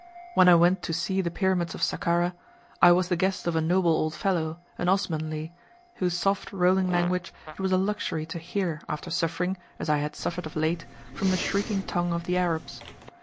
When I went to see the pyramids of Sakkara I was the guest of a noble old fellow, an Osmanlee, whose soft rolling language it was a luxury to hear after suffering, as I had suffered of late, from the shrieking tongue of the Arabs.